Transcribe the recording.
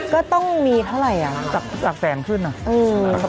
ก็ต้องมีเท่าไหร่อ่ะหลักแสนขึ้นอ่ะ